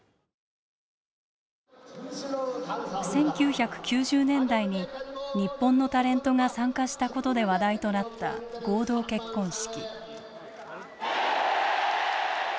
１９９０年代に日本のタレントが参加したことで話題となった合同結婚式。